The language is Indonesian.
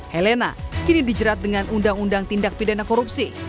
helena kini dijerat dengan undang undang tindak pidana korupsi